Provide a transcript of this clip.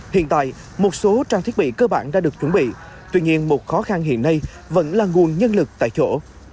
hiện tại một số trang thiết bị cơ bản đã được chuẩn bị tuy nhiên một khó khăn hiện nay vẫn là nguồn nhân lực tại chỗ